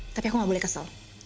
tapi aku gak boleh kesel